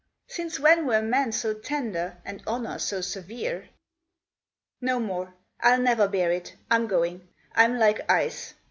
Since when were men so tender, And honor so severe? "No more I'll never bear it. I'm going. I'm like ice.